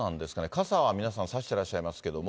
傘は皆さん差してらっしゃいますけれども。